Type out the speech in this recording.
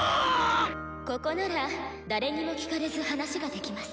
「ここなら誰にも聞かれず話ができます」。